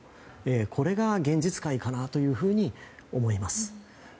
これが現実解かなと思います。